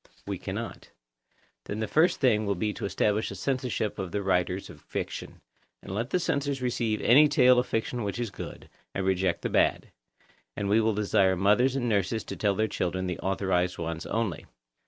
We cannot. Then the first thing will be to establish a censorship of the writers of fiction, and let the censors receive any tale of fiction which is good, and reject the bad; and we will desire mothers and nurses to tell their children the authorised ones only.